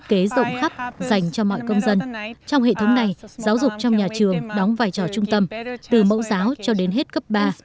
trong hệ thống này giáo dục trong nhà trường đóng vài trò trung tâm từ mẫu giáo cho đến hết cấp ba